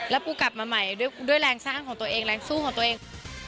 แล้วปูกลับมาใหม่ด้วยแรงสร้างของตัวเองแรงสู้ของตัวเอง